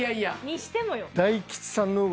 にしてもよ。